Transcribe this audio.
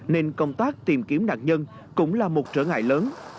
nên công tác tìm kiếm nạn nhân cũng là một trở ngại lớn